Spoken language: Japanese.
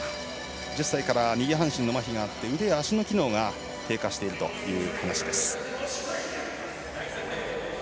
１０歳から右半身のまひがあって腕や足の機能が低下しているという話です。